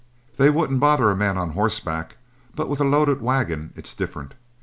They wouldn't bother a man on horseback, but with a loaded wagon it's different.